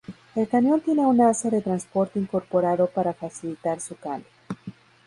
El cañón tiene un asa de transporte incorporada para facilitar su cambio.